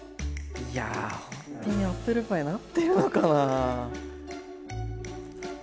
いやほんとにアップルパイになってるのかな？